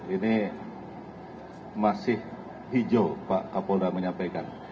ini masih hijau pak kapolda menyampaikan